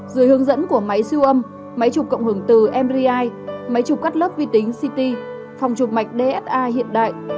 dưới hướng dẫn của máy siêu âm máy chụp cộng hưởng từ mbi máy chụp cắt lớp vi tính ct phòng chụp mạch dsa hiện đại